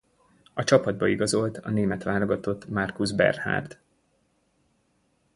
A csapatba igazolt a német válogatott Markus Bernhard.